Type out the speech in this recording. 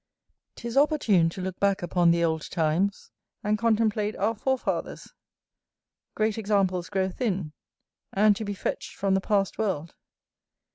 'Tis opportune to look back upon old times, and contemplate our forefathers. Great examples grow thin, and to be fetched from the passed world.